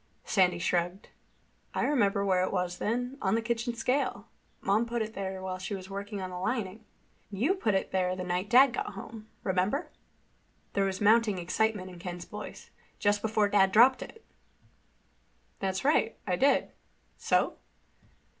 Sandy shrugged. "I remember where it was then—on the kitchen scale. Mom put it there while she was working on the lining." "And you put it there the night Dad got home. Remember?" There was mounting excitement in Ken's voice. "Just before Dad dropped it." "That's right. I did. So?"